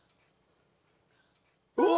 うわ！